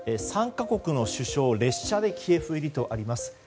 ３か国の首脳列車でキエフ入りとあります。